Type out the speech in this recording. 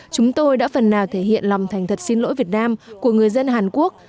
chúng tôi đã phần nào thể hiện lòng thành thật xin lỗi việt nam của người dân hàn quốc